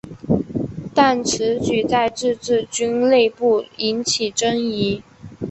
但此举在自治军内部引起争议。